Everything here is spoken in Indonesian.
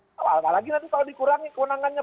apalagi nanti kalau dikurangi kewenangannya